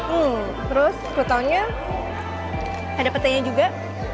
hmm terus skutelnya ada petenya juga